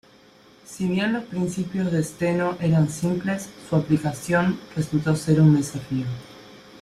Si bien los principios de Steno eran simples, su aplicación resultó ser un desafío.